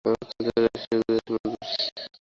আমরা উত্তর থেকে লন্সেস্টন এর দিকে যাচ্ছি মধ্যস্থ দিয়ে।